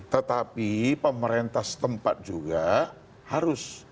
tetapi pemerintah setempat juga harus